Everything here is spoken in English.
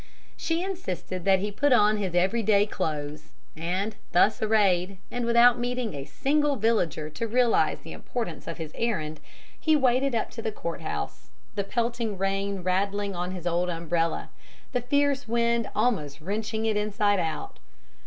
She insisted that he put on his every day clothes, and thus arrayed, and without meeting a single villager to realize the importance of his errand, he waded up to the court house, the pelting rain rattling on his old umbrella, the fierce wind almost wrenching it inside out.